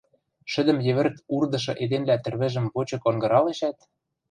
Шӹдӹм йӹвӹрт урдышы эдемлӓ тӹрвӹжӹм вочык онгыралешӓт